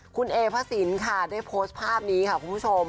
คุณเอพระสินค่ะได้โพสต์ภาพนี้ค่ะคุณผู้ชม